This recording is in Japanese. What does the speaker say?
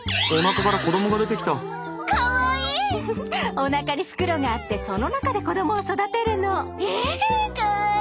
おなかに袋があってその中で子どもを育てるの。えカワイイ。